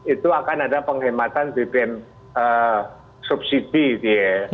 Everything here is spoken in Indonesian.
itu akan ada penghematan bbm subsidi gitu ya